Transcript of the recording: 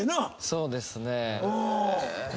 そうですね。